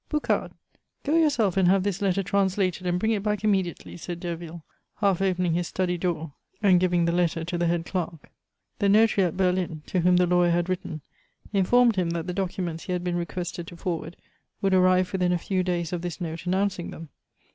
"Boucard, go yourself and have this letter translated, and bring it back immediately," said Derville, half opening his study door, and giving the letter to the head clerk. The notary at Berlin, to whom the lawyer had written, informed him that the documents he had been requested to forward would arrive within a few days of this note announcing them.